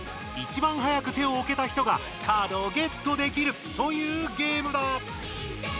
いちばん早く手をおけた人がカードをゲットできるというゲームだ。